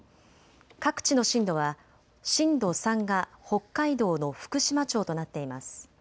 各地の震度は震度３が北海道の福島町となっています。